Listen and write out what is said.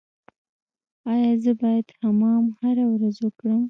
ایا زه باید حمام هره ورځ وکړم؟